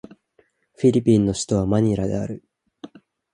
フィリピンの首都はマニラである